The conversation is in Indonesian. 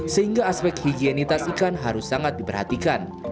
sehingga aspek higienitas ikan harus sangat diperhatikan